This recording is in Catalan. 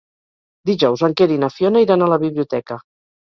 Dijous en Quer i na Fiona iran a la biblioteca.